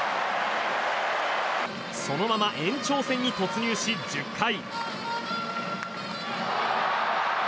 そのまま延長戦に突入し１０回。